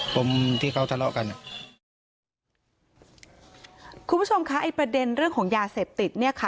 ผมที่เขาทะเลาะกันอ่ะคุณผู้ชมคะไอ้ประเด็นเรื่องของยาเสพติดเนี่ยค่ะ